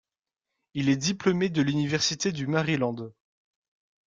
Il est diplômé de l'université du Maryland.